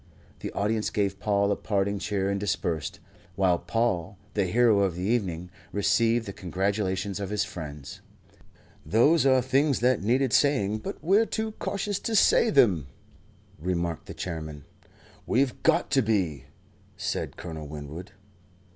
The audience gave Paul a parting cheer and dispersed, while Paul, the hero of the evening, received the congratulations of his friends. "Those are things that needed saying, but we're too cautious to say them," remarked the Chairman. "We've got to be," said Colonel Winwood.